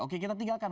oke kita tinggalkan